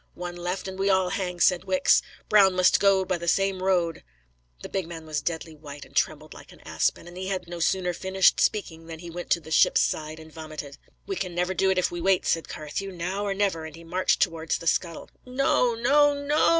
"One left, and we all hang," said Wicks. "Brown must go the same road." The big man was deadly white and trembled like an aspen; and he had no sooner finished speaking, than he went to the ship's side and vomited. "We can never do it if we wait," said Carthew. "Now or never," and he marched towards the scuttle. "No, no, no!"